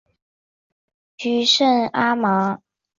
皮赛地区圣阿芒。